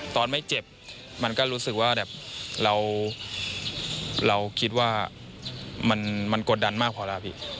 ตอนไม่เจ็บมันก็รู้สึกว่าแบบเราคิดว่ามันกดดันมากพอแล้วพี่